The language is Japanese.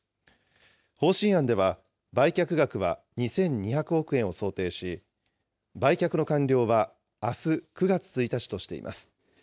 方針案では売却額は２２００億円を想定し、売却の完了はあす９月１日としています。